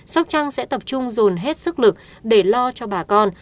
sóc trăng sẽ tập trung dồn hết sức lực để lo cho bà con